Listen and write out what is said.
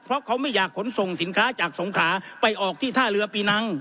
เพราะเขาไม่อยากขนส่งสินค้าจากสงขาไปออกที่ท่าเรือปีนัง